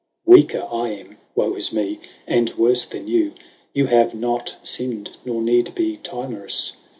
Weaker 1 am, woe is mee, and worfe then you, You have not finn'd, nor need be timorous.